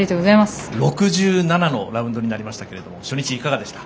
６７のラウンドになりましたけど初日はどうでした？